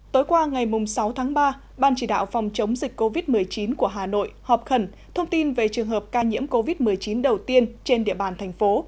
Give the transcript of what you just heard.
tối qua ngày sáu tháng ba ban chỉ đạo phòng chống dịch covid một mươi chín của hà nội họp khẩn thông tin về trường hợp ca nhiễm covid một mươi chín đầu tiên trên địa bàn thành phố